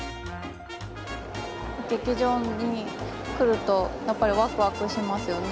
劇場に来るとやっぱりワクワクしますよね。